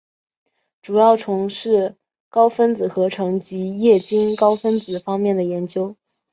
主要从事高分子合成及液晶高分子方面的研究。